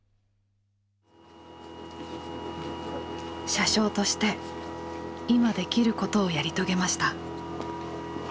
車掌として今できることをやり遂げました。